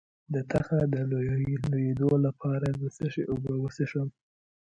د تخه د لوییدو لپاره د څه شي اوبه وڅښم؟